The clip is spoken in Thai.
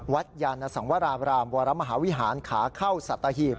ยานสังวราบรามวรมหาวิหารขาเข้าสัตหีบ